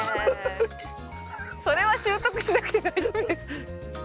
それは習得しなくて大丈夫です。